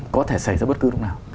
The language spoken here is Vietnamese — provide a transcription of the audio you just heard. có thể xảy ra bất cứ lúc nào